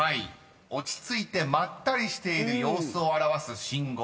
［落ち着いてまったりしている様子を表す新語］